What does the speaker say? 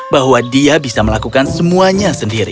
bahwa dia bisa melakukan semuanya sendiri